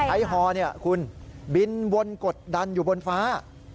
ไอ้ฮอเนี่ยคุณบินบนกดดันอยู่บนฟ้า